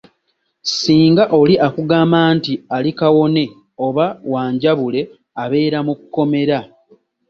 Singa oli akugamba nti ali kawone oba wanjabule abeera mu kkomera.